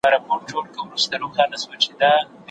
هغه مهال چې سوله ټینګه شي، پرمختګ چټک کېږي.